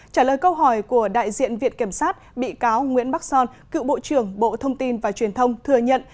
trả lời câu hỏi của đại diện viện kiểm sát bị cáo nguyễn bắc son cựu bộ trưởng bộ thông tin và truyền thông thừa nhận